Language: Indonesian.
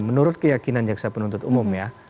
menurut keyakinan jaksa penuntut umum ya